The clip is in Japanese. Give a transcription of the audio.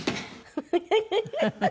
フフフフ！